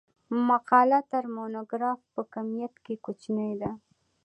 مقاله تر مونوګراف په کمیت کښي کوچنۍ ده.